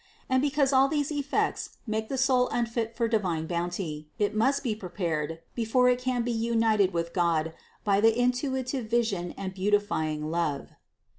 And because all these effects make the soul unfit for divine bounty, it must be prepared before it can be united with God by the intuitive vision and beautifying love.